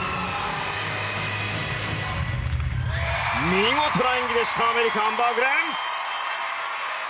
見事な演技でしたアメリカアンバー・グレン！